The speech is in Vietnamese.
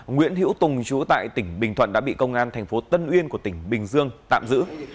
nguyễn hữu tùng trú tại tỉnh bình thuận đã bị công an thành phố tân uyên của tỉnh bình dương tạm giữ